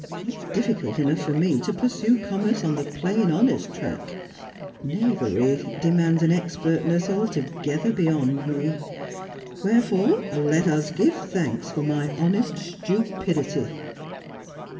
It's difficult enough for me to pursue commerce on the plain, honest track; knavery demands an expertness altogether beyond me. Wherefore, let us give thanks for my honest stupidity!"